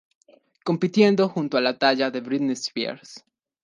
Compitiendo junto a la talla de Britney Spears.